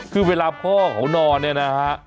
คือเวลาพ่อเขานอนเนี่ยนะฮะ